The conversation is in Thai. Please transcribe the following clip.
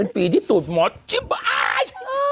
ฝีที่ตูดหมอชิบาย